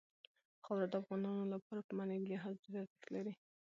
خاوره د افغانانو لپاره په معنوي لحاظ ډېر ارزښت لري.